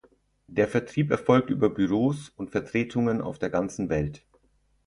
Der Vertrieb erfolgt über Büros und Vertretungen auf der ganzen Welt.